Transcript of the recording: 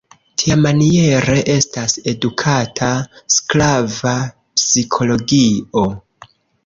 Tiamaniere estas edukata sklava psikologio.